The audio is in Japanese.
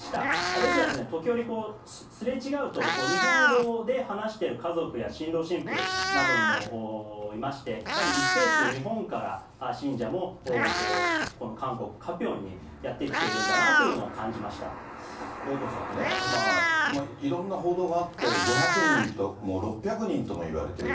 ですが、時折すれ違うと、日本語で話してる家族や新郎新婦などもいまして、やはり一定数、日本から信者も韓国・カピョンにやって来ているんだなというのをエイトさんね、いろんな報道があって５００人とも６００人とも言われている。